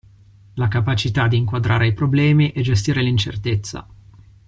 La capacità di inquadrare i problemi e gestire l'incertezza.